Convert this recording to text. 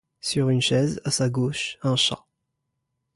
Sur une chaise, à sa gauche, un chat.